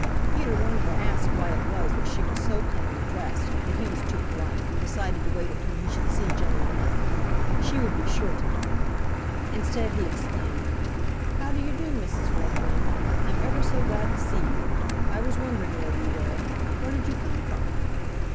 Peter wanted to ask why it was that she was so plainly dressed, but he was too polite and decided to wait until he should see Jenny Wren. She would be sure to know. Instead, he exclaimed, "How do you do, Mrs. Redwing? I'm ever so glad to see you. I was wondering where you were. Where did you come from?"